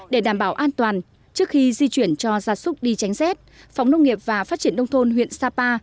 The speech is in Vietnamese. để đảm bảo an toàn trước khi di chuyển cho gia súc đi tránh rét phòng nông nghiệp và phát triển nông thôn huyện sapa